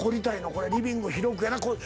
これリビング広くやな。